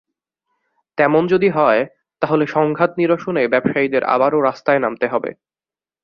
তেমন যদি হয়, তাহলে সংঘাত নিরসনে ব্যবসায়ীদের আবারও রাস্তায় নামতে হবে।